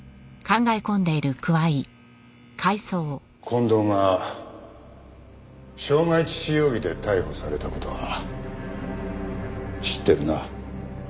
近藤が傷害致死容疑で逮捕された事は知ってるな？